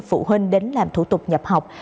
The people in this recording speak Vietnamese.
phụ huynh đến làm thủ tục nhập học